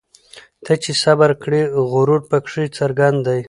ته چي صبر کړې غرور پکښي څرګند دی